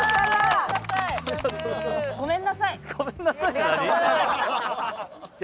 ごめんなさい。